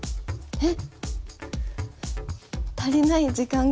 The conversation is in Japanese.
えっ！